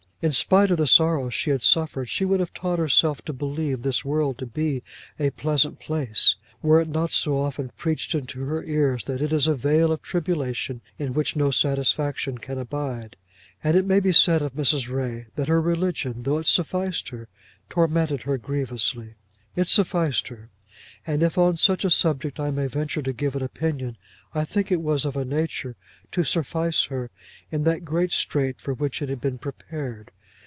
In spite of the sorrows she had suffered she would have taught herself to believe this world to be a pleasant place, were it not so often preached into her ears that it is a vale of tribulation in which no satisfaction can abide. And it may be said of Mrs. Ray that her religion, though it sufficed her, tormented her grievously. It sufficed her; and if on such a subject I may venture to give an opinion, I think it was of a nature to suffice her in that great strait for which it had been prepared.